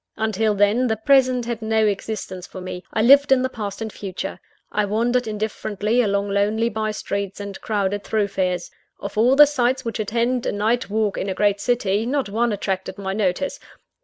Until then, the present had no existence for me I lived in the past and future. I wandered indifferently along lonely bye streets, and crowded thoroughfares. Of all the sights which attend a night walk in a great city, not one attracted my notice.